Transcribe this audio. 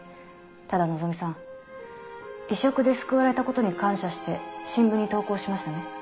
ただ希美さん移植で救われたことに感謝して新聞に投稿しましたね。